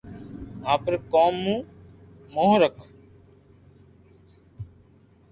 آپري ڪوم مون موم رک